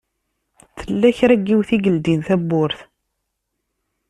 Tella kra n yiwet i yeldin tawwurt.